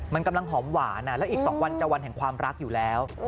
มันกำลังหอมหวานแล้วอีก๒วันจะวันแห่งความรักอยู่แล้ว